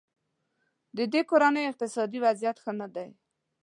ددې کورنۍ اقتصادي وضیعت ښه نه دی.